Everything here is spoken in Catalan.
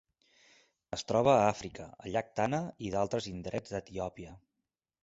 Es troba a Àfrica: el llac Tana i d'altres indrets d'Etiòpia.